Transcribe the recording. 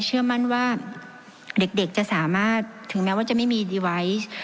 เชื่อมั่นว่าเด็กจะสามารถถึงแม้ว่าจะไม่มีดีไวท์